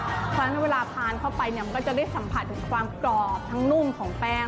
เพราะฉะนั้นเวลาทานเข้าไปเนี่ยมันก็จะได้สัมผัสถึงความกรอบทั้งนุ่มของแป้ง